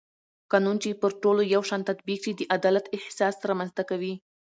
قانون چې پر ټولو یو شان تطبیق شي د عدالت احساس رامنځته کوي